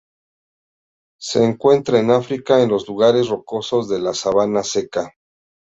Se encuentra en África en los lugares rocosos en la sabana seca.